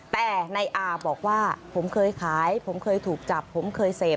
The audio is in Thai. แต่ในอาบอกว่าผมเคยขายผมเคยถูกจับผมเคยเสพ